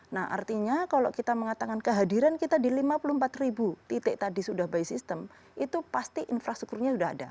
nah artinya kalau kita mengatakan kehadiran kita di lima puluh empat ribu titik tadi sudah by system itu pasti infrastrukturnya sudah ada